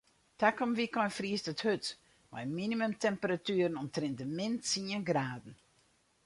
Takom wykein friest it hurd mei minimumtemperatueren omtrint de min tsien graden.